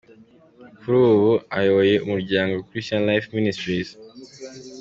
Kuri ubu ayoboye umuryango Christian Life Ministries.